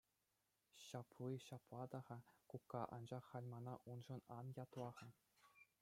Ҫапли ҫапла та-ха, кукка, анчах халь мана уншӑн ан ятла-ха.